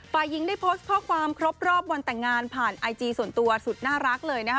ฝ่ายหญิงได้โพสต์ข้อความครบรอบวันแต่งงานผ่านไอจีส่วนตัวสุดน่ารักเลยนะคะ